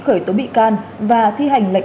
khởi tố bị can và thi hành lệnh